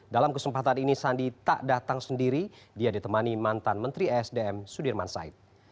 dalam kesempatan ini sandi tak datang sendiri dia ditemani mantan menteri sdm sudirman said